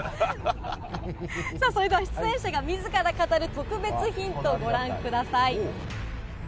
さあ、それでは出演者がみずから語る特別ヒント、ご覧ください。